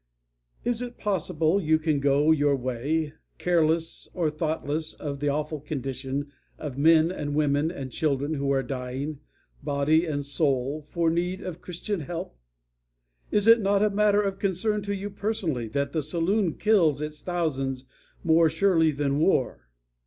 Is it possible you can go your ways careless or thoughtless of the awful condition of men and women and children who are dying, body and soul, for need of Christian help? Is it not a matter of concern to you personally that the saloon kills its thousands more surely than war?